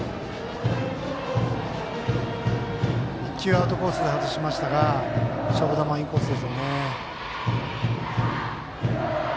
１球アウトコースで外しましたが勝負球はインコースですよね。